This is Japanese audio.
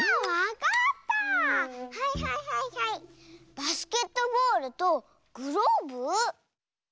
バスケットボールとグローブ？